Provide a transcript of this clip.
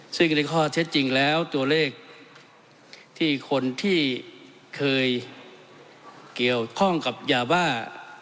ซึ่งในข้อเท็จจริงแล้วตัวเลขที่คนที่เคยเกี่ยวข้องกับยาบ้า